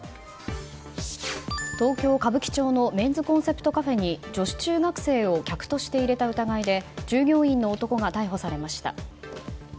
東京・歌舞伎町のメンズコンセプトカフェに女子中学生を客として入れた疑いで従業員の男とが逮捕されました。